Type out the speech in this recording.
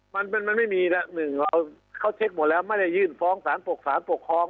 มันมันไม่มีแล้วหนึ่งเขาเช็คหมดแล้วไม่ได้ยื่นฟ้องสารปกครอง